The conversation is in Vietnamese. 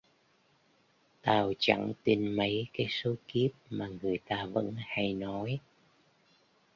tao chẳng tin mấy cái số kiếp mà người ta vẫn hay nói